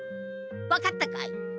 分かったかい？